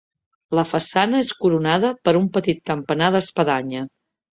La façana és coronada per un petit campanar d'espadanya.